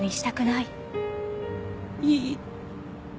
いい。